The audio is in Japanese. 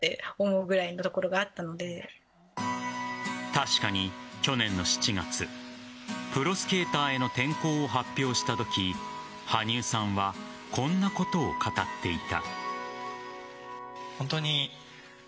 確かに、去年の７月プロスケーターへの転向を発表したとき羽生さんはこんなことを語っていた。